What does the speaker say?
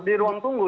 di ruang tunggu